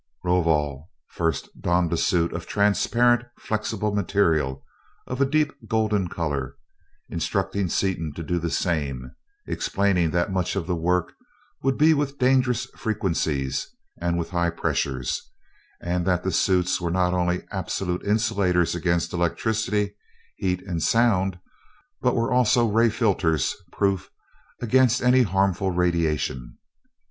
Rovol first donned a suit of transparent, flexible material, of a deep golden color, instructing Seaton to do the same; explaining that much of the work would be with dangerous frequencies and with high pressures, and that the suits were not only absolute insulators against electricity, heat, and sound, but were also ray filters proof against any harmful radiations.